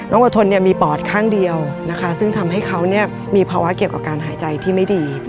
อดทนมีปอดข้างเดียวซึ่งทำให้เขามีภาวะเกี่ยวกับการหายใจที่ไม่ดี